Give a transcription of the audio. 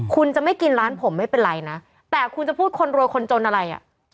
คุณจะไม่กินร้านผมไม่เป็นไรนะแต่คุณจะพูดคนรวยคนจนอะไรอ่ะ